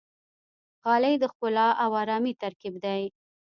غالۍ د ښکلا او آرامۍ ترکیب دی.